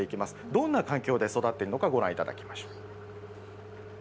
どんな環境で育っているのか、ご覧いただきましょう。